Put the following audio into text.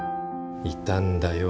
いたんだよ